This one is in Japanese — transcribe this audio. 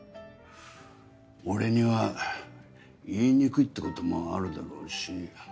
俺には言いにくいってこともあるだろうし。